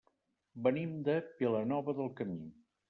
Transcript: Venim de Vilanova del Camí.